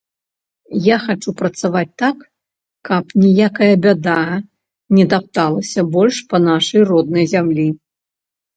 Я хачу працаваць так, каб ніякая бяда не тапталася больш па нашай роднай зямлі.